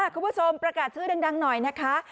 คุณผู้ชมประกาศชื่อดังหน่อยนะคะ